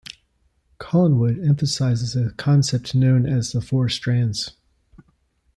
Collingwood emphasizes a concept known as the Four Strands.